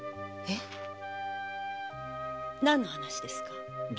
ええ？何の話ですか？